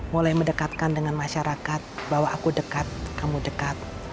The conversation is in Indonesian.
mulai mendekatkan dengan masyarakat bahwa aku dekat kamu dekat